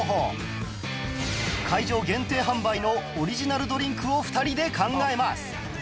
会場限定販売のオリジナルドリンクを２人で考えます